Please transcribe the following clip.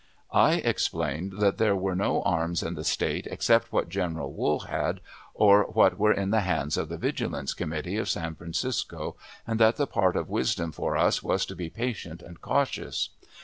I explained that there were no arms in the State except what General Wool had, or what were in the hands of the Vigilance Committee of San Francisco, and that the part of wisdom for us was to be patient and cautious.